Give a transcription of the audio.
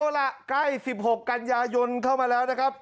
เอาล่ะใกล้๑๖กันยายนเข้ามาแล้วนะครับ